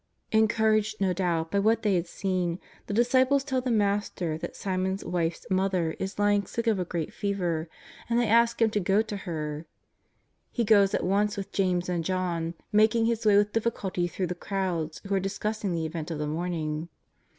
Encouraged, no doubt, by what they had seen, the disciples tell the Master that Simon's wife's mother is lying sick of a great fever, and they ask Him to go to her. He goes at once with James and John, making His way with difficulty through the crowds who are discussing the event of the morning.